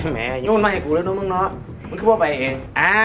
นั่นไม่ให้ผมเรื่องน้องน้องหน้ามันคือพ่อการไปเอง